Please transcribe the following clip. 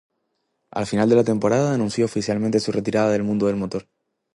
Al final de la temporada anunció oficialmente su retirada del mundo del motor.